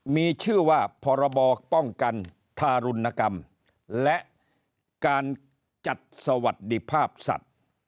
มีชื่อว่าพรบป้องกันทารุณกรรมและการจัดสวัสดิภาพสัตว์